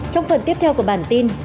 trong phần tiếp theo của bản tin